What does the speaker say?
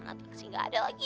nanti sih nggak ada lagi